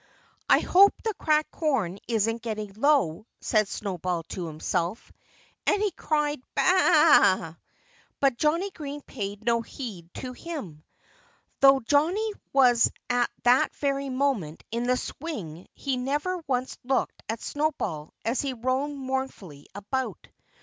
"I hope the cracked corn isn't getting low," said Snowball to himself. And he cried, "Ba a a a a!" But Johnnie Green paid no heed to him. Though Johnnie was at that very moment in the swing he never once looked at Snowball as he roamed mournfully about.